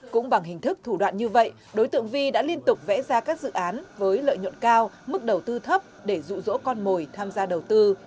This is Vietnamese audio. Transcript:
cũng bằng hình thức thủ đoạn như vậy đối tượng vi đã liên tục vẽ ra các dự án với lợi nhuận cao mức đầu tư thấp để rụ rỗ con mồi tham gia đầu tư